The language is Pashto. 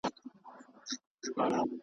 ځه چي دواړه د پاچا کورته روان سو .